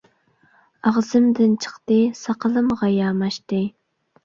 ئاغزىمدىن چىقتى، ساقىلىمغا ياماشتى.